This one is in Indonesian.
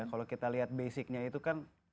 kalau kita lihat basicnya itu kan